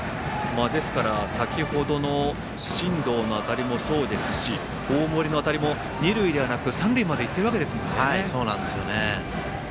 ですから、先ほどの進藤の当たりもそうですし大森の当たりも二塁ではなく三塁まで行ってるわけですね。